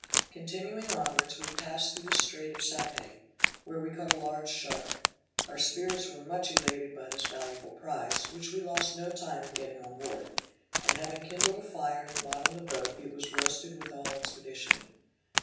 Continuing onwards, we passed through the strait of Saypay, where we caught a large shark. Our spirits were much elated by this valuable prize, which we lost no time in getting on board; and having kindled a fire in the bottom of the boat, it was roasted with all expedition.